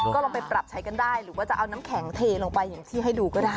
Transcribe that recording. ก็ลองไปปรับใช้กันได้หรือว่าจะเอาน้ำแข็งเทลงไปอย่างที่ให้ดูก็ได้